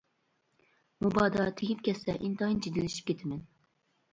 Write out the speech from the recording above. مۇبادا تېگىپ كەتسە ئىنتايىن جىددىيلىشىپ كېتىمەن.